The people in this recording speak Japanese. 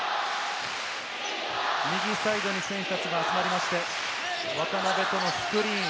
右サイドに選手たちが集まりまして、渡邊とのスクリーン。